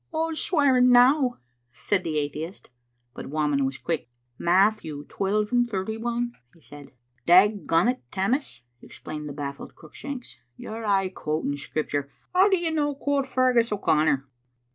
" Wha's swearing now?" said the atheist But Whamond was quick. "Matthew, twelve and thirty one," he said. "Dagont, Tammas," exclaimed the bafiled Cruick shanks, "you're aye quoting Scripture. How do you no quote Feargus O'Connor?"